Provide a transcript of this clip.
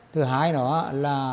thứ hai là